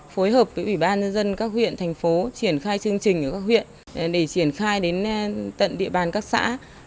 phối hợp với ủy ban nhân dân các huyện thành phố triển khai chương trình ở các huyện để triển khai đến tận địa bàn các xã